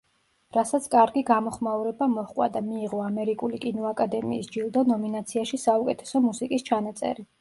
რასაც კარგი გამოხმაურება მოჰყვა და მიიღო ამერიკული კინოაკადემიის ჯილდო ნომინაციაში საუკეთესო მუსიკის ჩანაწერი.